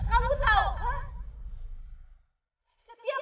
maafkan saya gua ditanggal